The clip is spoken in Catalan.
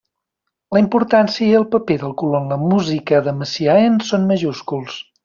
La importància i el paper del color en la música de Messiaen són majúsculs.